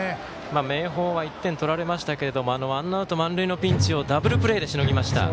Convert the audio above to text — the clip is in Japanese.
明豊は１点取られましたがワンアウト満塁のピンチをダブルプレーでしのぎました。